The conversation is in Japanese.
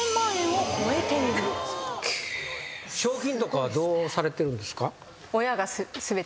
賞金とかはどうされてるんですか？